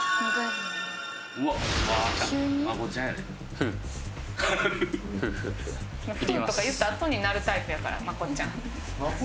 「ふう」とか言ったあとに鳴るタイプやからまこっちゃん。